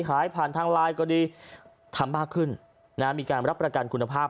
ขายผ่านทางไลน์ก็ดีทำมากขึ้นนะมีการรับประกันคุณภาพ